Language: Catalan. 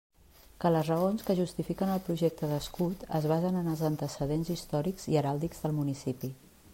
Que les raons que justifiquen el projecte d'escut es basen en els antecedents històrics i heràldics del municipi.